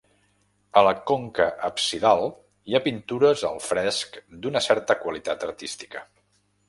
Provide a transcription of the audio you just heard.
A la conca absidal hi ha pintures al fresc d'una certa qualitat artística.